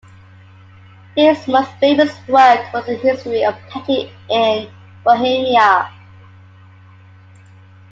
His most famous work was a history of painting in Bohemia.